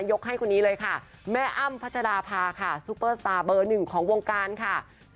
ให้คนนี้เลยค่ะแม่อ้ำพัชราภาค่ะซูเปอร์สตาร์เบอร์๑ของวงการค่ะ